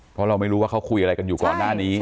เพราะเราไม่รู้ว่าเขาคุยอะไรกันอยู่ก่อนหน้านี้